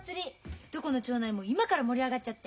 どこの町内も今から盛り上がっちゃって。